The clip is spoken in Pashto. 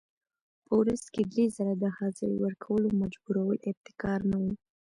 په ورځ کې درې ځله د حاضرۍ ورکولو مجبورول ابتکار نه و.